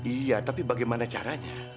iya tapi bagaimana caranya